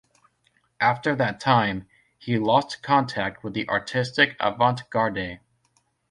After that time, he lost contact with the artistic avant-garde.